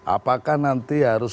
apakah nanti harus